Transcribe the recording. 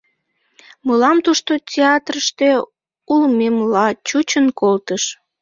Мылам тушто театрыште улмемла чучын колтыш.